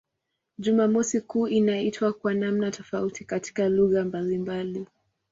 Jumamosi kuu inaitwa kwa namna tofauti katika lugha mbalimbali.